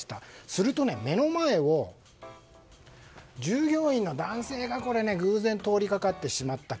すると目の前を従業員の男性が偶然通りかかってしまった。